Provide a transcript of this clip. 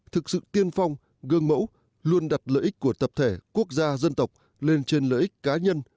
thực sự tiên phong gương mẫu luôn đặt lợi ích của tập thể quốc gia dân tộc lên trên lợi ích cá nhân